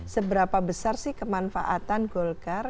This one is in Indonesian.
seberapa besar sih kemanfaatan golkar